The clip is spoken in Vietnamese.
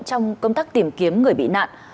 trong công tác tìm kiếm người bị nạn